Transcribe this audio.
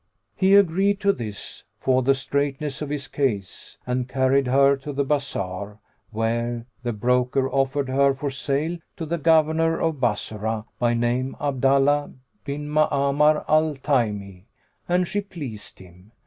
He agreed to this for the straitness of his case, and carried her to the bazar, where the broker offered her for sale to the Governor of Bassorah, by name Abdallah bin Ma'amar al Taymi, and she pleased him.